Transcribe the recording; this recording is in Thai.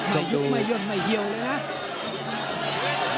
ไม่ยุ่งไม่ยุ่งไม่เฮียวเลยนะ